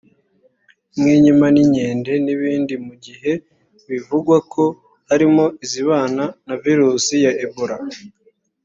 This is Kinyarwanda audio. nk’inkima n’inkende n’ibindi mu gihe bivugwa ko harimo izibana na virusi ya Ebola